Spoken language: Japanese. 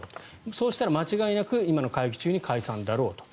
そうしたら間違いなく今の会期中に解散だろうと。